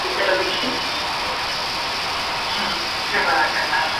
Actualmente es miembro docente de la Universidad Anáhuac de esa ciudad.